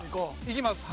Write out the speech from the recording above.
いきます。